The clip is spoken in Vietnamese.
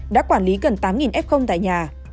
đã quản lý gần tám f tại nhà